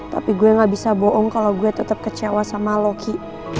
tapi gue gak bisa bohong kalau gue tetep kecewa sama lo ki